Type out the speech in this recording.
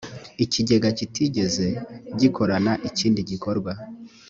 ikigega kitigeze gikorana ikindi gikorwa